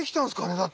だって。